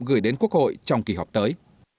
gửi đến quốc hội trong kỳ họp tới